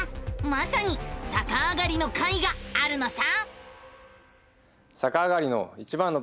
まさにさかあがりの回があるのさ！